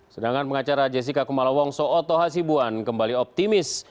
sedangkan pengacara jessica kumalawong so'oto hasibuan kembali optimis